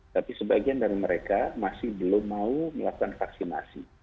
tapi sebagian dari mereka masih belum mau melakukan vaksinasi